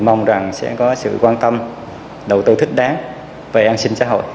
mong rằng sẽ có sự quan tâm đầu tư thích đáng về an sinh xã hội